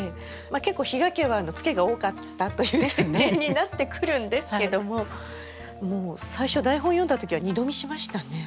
結構比嘉家はツケが多かったという設定になってくるんですけども最初台本を読んだ時は二度見しましたね。